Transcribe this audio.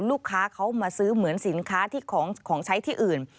ลูกค้าเขามาซื้อเหมือนสินค้าที่ของใช้ที่อื่น